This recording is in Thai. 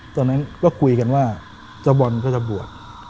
ตอนนั้นก็คุยกันว่าเจ้าบอลก็จะบวช